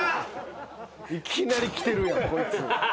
いきなりきてるやんこいつ。